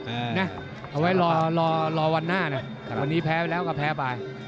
เอาไว้รอรอวันหน้านะแต่วันนี้แพ้ไปแล้วก็แพ้ไป